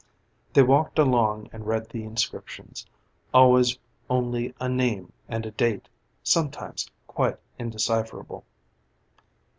They walked along and read the inscriptions, always only a name and a date, sometimes quite indecipherable.